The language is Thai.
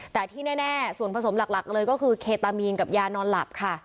แต่ที่แน่ส่วนผสมหลักเลยก็คือเคตามีนกับยานอนหลับค่ะ